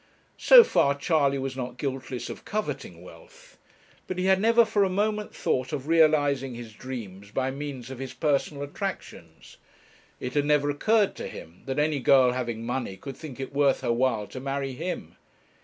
So far Charley was not guiltless of coveting wealth; but he had never for a moment thought of realizing his dreams by means of his personal attractions. It had never occurred to him that any girl having money could think it worth her while to marry him.